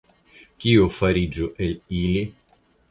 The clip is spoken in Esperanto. Kio fariĝu el ili?